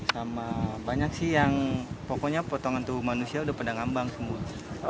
sama banyak sih yang pokoknya potongan tubuh manusia udah pada ngambang semua